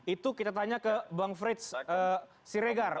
itu kita tanya ke bang frits siregar